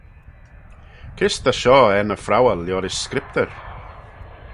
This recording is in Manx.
Kys ta shoh er ny phrowal liorish Scriptyr?